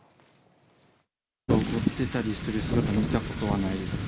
怒ってたりする姿は見たことないですね。